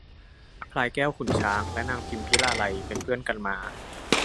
พลายแก้ว ขุนช้าง และนางพิมพิลาไลยเป็นเพื่อนกันมา